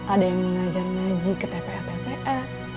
ada yang mengajar ngaji ke tpa tpa